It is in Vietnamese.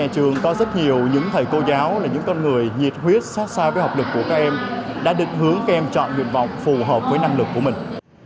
trường có rất nhiều những thầy cô giáo là những con người nhiệt huyết sát sao với học lực của các em đã định hướng các em chọn nguyện vọng phù hợp với năng lực của mình